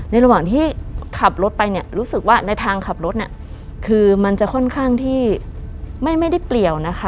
ระหว่างที่ขับรถไปเนี่ยรู้สึกว่าในทางขับรถเนี่ยคือมันจะค่อนข้างที่ไม่ได้เปลี่ยวนะคะ